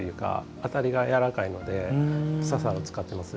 当たりが柔らかいのでササラを使っています。